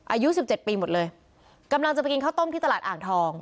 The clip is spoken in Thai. อายุสิบเจ็ดปีหมดเลยกำลังจะไปกินข้าวต้มที่ตลาดอ่างทอง